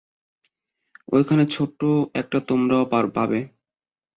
ঐখানে, ছোট্ট একটা তোমরাও পাবে!